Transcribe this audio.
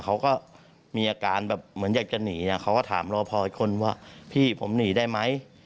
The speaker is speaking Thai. เขาก็มีอาการแบบเหมือนอยากจะหนีเขาก็ถามรอพออีกคนว่าพี่ผมหนีได้ไหม